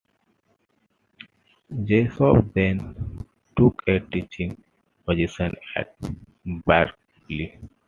Jacob then took a teaching position at Berklee.